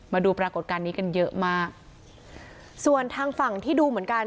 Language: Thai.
มาดูปรากฏการณ์นี้กันเยอะมากส่วนทางฝั่งที่ดูเหมือนกัน